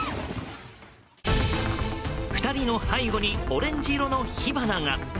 ２人の背後にオレンジ色の火花が。